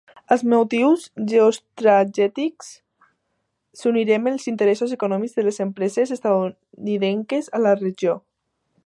Als motius geoestratègics s'uniren els interessos econòmics de les empreses estatunidenques a la regió.